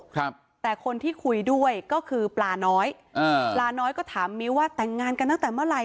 ครับแต่คนที่คุยด้วยก็คือปลาน้อยอ่าปลาน้อยก็ถามมิ้วว่าแต่งงานกันตั้งแต่เมื่อไหร